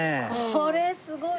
これすごい。